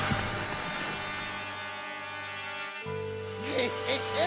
グフフ！